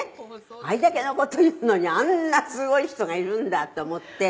「あれだけの事言うのにあんなすごい人がいるんだって思って」